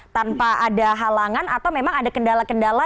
tanpa ada halangan atau memang ada kendala kendala